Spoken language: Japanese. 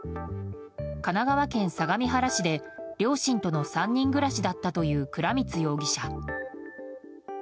神奈川県相模原市で両親との３人暮らしだったという倉光容疑者。